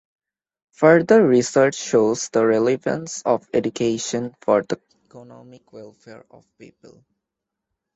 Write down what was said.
Further research shows the relevance of education for the economic welfare of people.